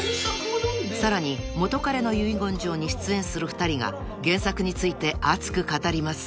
［さらに『元彼の遺言状』に出演する２人が原作について熱く語ります］